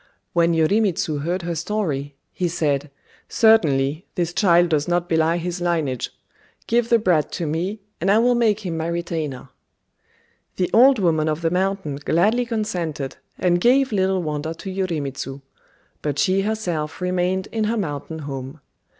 When Yorimitsu heard her story, he said, "Certainly this child does not belie his lineage. Give the brat to me, and I will make him my retainer." The Old Woman of the Mountain gladly consented, and gave "Little Wonder" to Yorimitsu; but she herself remained in her mountain home.